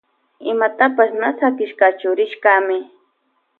Imatapash na sakishkachu rishkami.